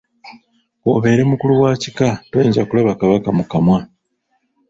K’obeere mukulu wa kika toyinza kulaba Kabaka mu kamwa.